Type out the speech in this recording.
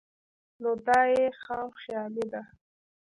نو دا ئې خام خيالي ده